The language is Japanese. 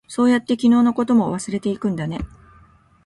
そうやって、昨日のことも忘れていくんだね。